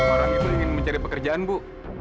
orang itu ingin mencari pekerjaan bu